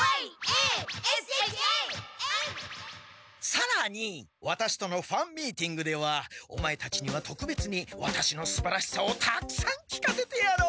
さらにワタシとのファンミーティングではオマエたちにはとくべつにワタシのすばらしさをたくさん聞かせてやろう。